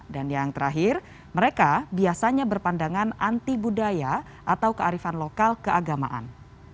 yang terakhir mereka biasanya berpandangan anti budaya atau kearifan lokal keagamaan